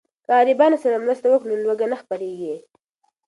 که غریبانو سره مرسته وکړو نو لوږه نه خپریږي.